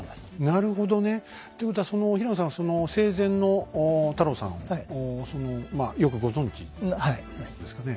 なるほどね。ということはその平野さんは生前の太郎さんをよくご存じなんですかね。